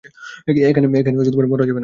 এখানে মরা যাবে না।